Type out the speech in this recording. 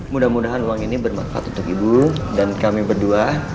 mudah mudahan uang ini bermanfaat untuk ibu dan kami berdua